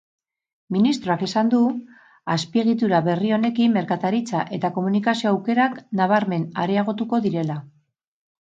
Ministroak esan du azpiegitura berri honekin merkataritza eta komunikazio aukerak nabarmen areagotuko direla.